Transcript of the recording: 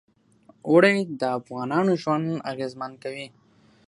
اوړي د افغانانو ژوند اغېزمن کوي.